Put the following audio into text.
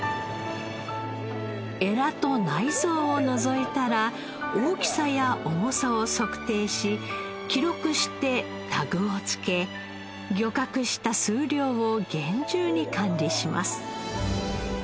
エラと内臓を除いたら大きさや重さを測定し記録してタグを付け漁獲した数量を厳重に管理します。